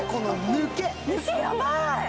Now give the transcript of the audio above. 抜け、やばい！